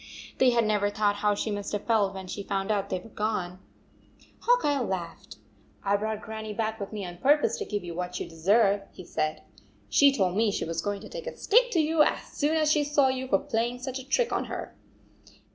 They had never thought how she must have felt when she found that they were gone. Hawk Eyelaughed. " I Ve brought Gran nie back with me on purpose to give you what you deserve," he said. " She told me she was going to take a stick to you as soon as she saw you, for playing such a trick on her."